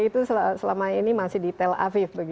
dan selama ini masih di tel aviv